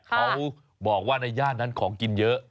เขาบอกว่าในย่านนั้นของกินเยอะ